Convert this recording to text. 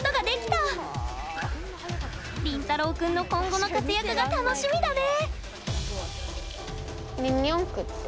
リンタロウ君の今後の活躍が楽しみだね。